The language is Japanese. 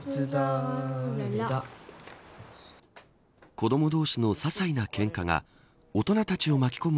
子ども同士の些細なけんかが大人たちを巻き込む